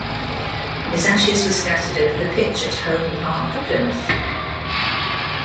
His ashes were scattered over the pitch at Home Park, Plymouth.